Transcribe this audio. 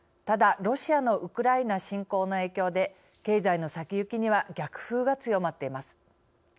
ただ、ロシアのウクライナ侵攻の影響で経済の先行きには逆風が強まっています。